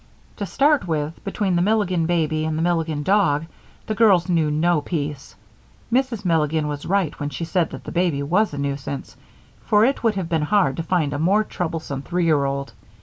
To start with, between the Milligan baby and the Milligan dog, the girls knew no peace. Mrs. Milligan was right when she said that the baby was a nuisance, for it would have been hard to find a more troublesome three year old.